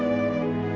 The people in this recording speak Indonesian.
saya udah nggak peduli